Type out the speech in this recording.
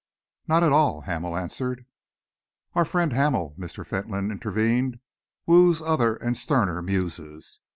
"Not at all," Hamel answered. "Our friend Hamel," Mr. Fentolin intervened, "woos other and sterner muses.